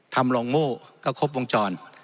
ทำลงโง่ก็ครบวงจร